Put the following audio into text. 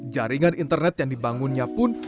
jaringan internet yang dibangunnya pun